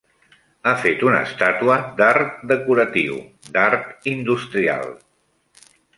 Ha fet una estàtua d'art decoratiu, d'art industrial…